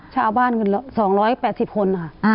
ชาวบ้าน๒๘๐คน